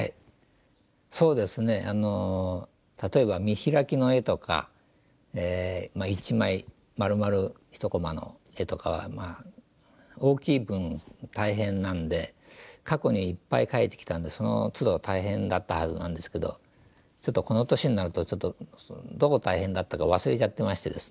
そうですねあの例えば見開きの絵とか１枚まるまる１コマの絵とかは大きい分大変なんで過去にいっぱい描いてきたんでそのつど大変だったはずなんですけどちょっとこの年になるとどう大変だったか忘れちゃってましてですね。